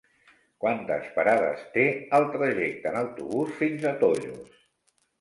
Quantes parades té el trajecte en autobús fins a Tollos?